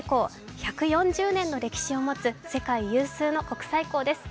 １４０年の歴史を持つ世界有数の国際港です。